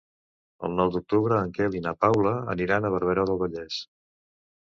El nou d'octubre en Quel i na Paula aniran a Barberà del Vallès.